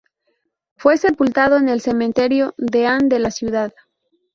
Fue sepultado en el Cementerio Dean, de la ciudad.